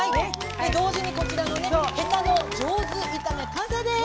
同時にこちらの「ヘタの上手炒め」完成です！